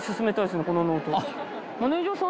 マネージャーさん